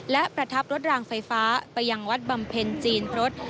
และประทับรถรางไฟฟ้าไปยังวัดบำเพ็ญจีนพรส